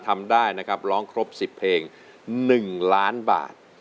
ทำได้นะครับร้องครบ๑๐เพลง๑ล้านบาท